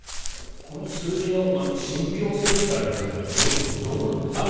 この数字の信ぴょう性と言ったらあれですがどうなんですか？